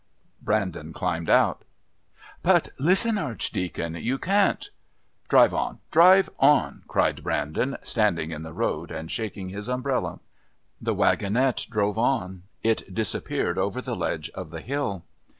Brandon climbed out. "But listen, Archdeacon! You can't!" "Drive on! Drive on!" cried Brandon, standing in the road and shaking his umbrella. The wagonette drove on. It disappeared over the ledge of the hill.